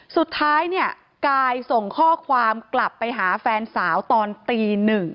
สุดท้ายเนี่ยกายส่งข้อความกลับไปหาแฟนสาวตอนตี๑